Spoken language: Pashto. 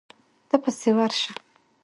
ته پسې ورشه.